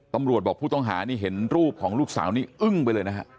ตำรวจบอกผู้ต้องหานี่เห็นรูปของลูกสาวนี้อึ้งไปเลยนะฮะ